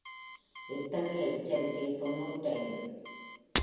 எத்தகைய எச்சரிக்கை தொன்னூற்றைந்து.